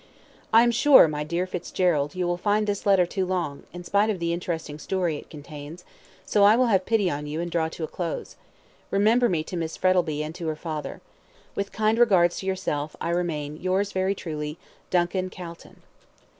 I am sure, my dear Fitzgerald, you will find this letter too long, in spite of the interesting story it contains, so I will have pity on you, and draw to a close. Remember me to Miss Frettlby and to her father. With kind regards to yourself, I remain, yours very truly, "DUNCAN CALTON."